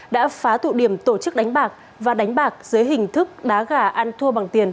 đã phá tụ điểm tổ chức đánh bạc và đánh bạc dưới hình thức đá gà ăn thua bằng tiền